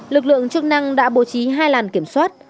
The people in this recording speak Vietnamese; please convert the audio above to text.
lực lượng chức năng đã bố trí hai làn kiểm soát